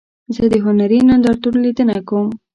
زه د هنري نندارتون لیدنه کوم.